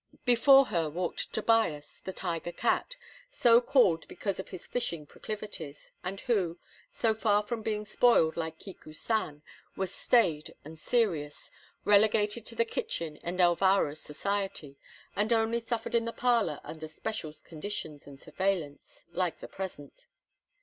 Before her walked Tobias, the tiger cat, so called because of his fishing proclivities, and who, so far from being spoiled like Kiku san, was staid and serious, relegated to the kitchen and Elvira's society, and only suffered in the parlor under special conditions and surveillance, like the present.